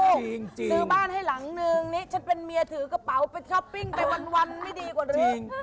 ซื้อบ้านให้หลังนึงนี่ฉันเป็นเมียถือกระเป๋าไปช้อปปิ้งไปวันไม่ดีกว่านี้